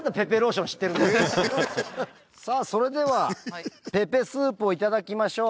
さあそれではペペスープを頂きましょう。